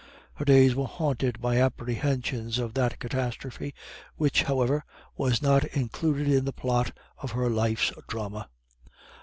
Her days were haunted by apprehensions of that catastrophe, which, however, was not included in the plot of her life's drama.